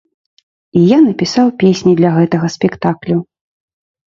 І я напісаў песні для гэтага спектаклю.